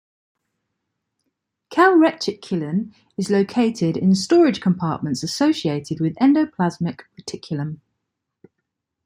Calreticulin is located in storage compartments associated with the endoplasmic reticulum.